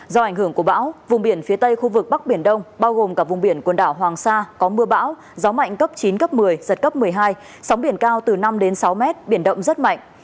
do ảnh hưởng của bão vùng biển phía tây khu vực bắc biển đông bao gồm cả vùng biển quần đảo hoàng sa có mưa bão gió mạnh cấp chín cấp một mươi giật cấp một mươi hai sóng biển cao từ năm sáu m biển động rất mạnh